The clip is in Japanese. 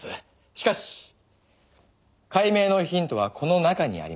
しかし解明のヒントはこの中にありました。